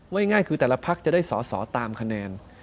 ง่ายคือแต่ละพักจะได้สอสอตามคะแนน